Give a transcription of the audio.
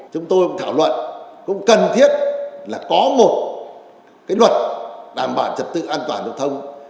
chúng tôi thảo luận cũng cần thiết là có một luật đảm bảo trật tự an toàn giao thông